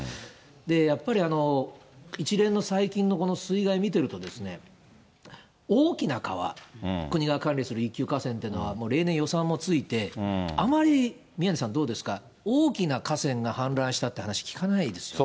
やっぱり一連の最近のこの水害見てると、大きな川、国が管理する一級河川というのは、もう例年、予算もついて、あまり、宮根さん、どうですか、大きな河川が氾濫したって話、聞かないですよね。